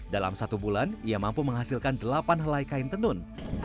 dalam satu bulan ia mampu menghasilkan delapan helai kain tenun